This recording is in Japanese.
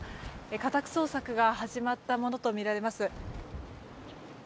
家宅捜索が始まったものとみられます。